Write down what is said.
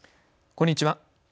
こんにちは。